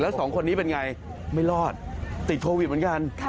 สองคนนี้เป็นไงไม่รอดติดโควิดเหมือนกัน